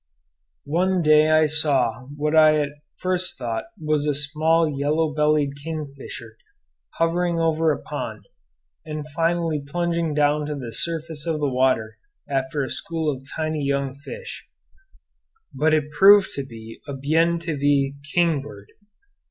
One day I saw what I at first thought was a small yellow bellied kingfisher hovering over a pond, and finally plunging down to the surface of the water after a school of tiny young fish; but it proved to be a bien te vì king bird.